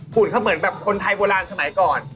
เขาเหมือนแบบคนไทยโบราณสมัยก่อน